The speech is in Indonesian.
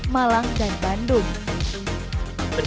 malang dan bandung